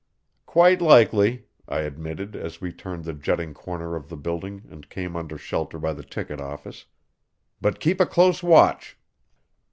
"Quite likely," I admitted as we turned the jutting corner of the building and came under shelter by the ticket office. "But keep a close watch."